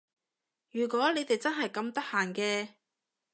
如果你哋真係咁得閒嘅